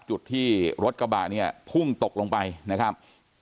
จุดที่รถกระบะเนี่ยพุ่งตกลงไปนะครับ